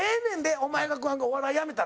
お前がお笑い辞めたら。